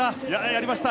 やりました！